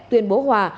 tuyên bố hòa